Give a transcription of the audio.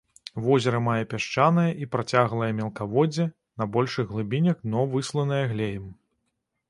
Возера мае пясчанае і працяглае мелкаводдзе, на большых глыбінях дно высланае глеем.